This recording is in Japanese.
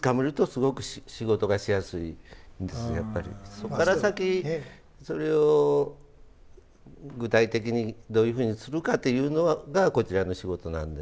そこから先それを具体的にどういうふうにするかというのがこちらの仕事なんで。